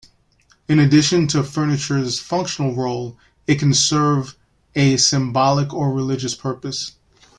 In addition to furniture's functional role, it can serve a symbolic or religious purpose.